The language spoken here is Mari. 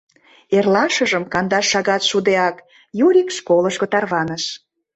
Эрлашыжым, кандаш шагат шудеак, Юрик школышко тарваныш.